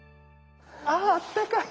ああったかい。